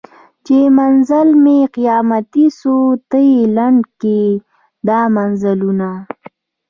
چي منزل مي قیامتي سو ته یې لنډ کي دا مزلونه